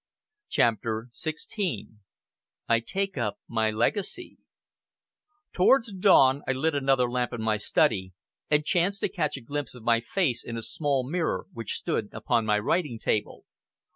CHAPTER XVI I TAKE UP MY LEGACY Towards dawn I lit another lamp in my study and chanced to catch a glimpse of my face in a small mirror which stood upon my writing table.